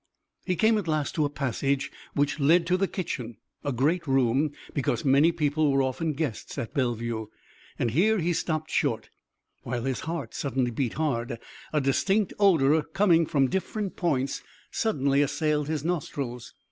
He came at last to a passage which led to the kitchen, a great room, because many people were often guests at Bellevue, and here he stopped short, while his heart suddenly beat hard. A distinct odor coming from different points suddenly assailed his nostrils.